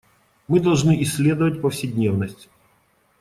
Мы должны исследовать повседневность.